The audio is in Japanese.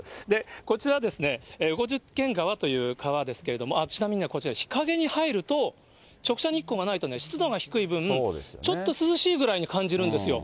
こちら、横十間川という川ですけれども、ちなみにこちら日陰に入る、直射日光がないと、湿度が低い分、ちょっと涼しいぐらいに感じるんですよ。